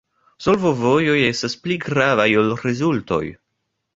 Solvovojoj estas pli gravaj ol rezultoj.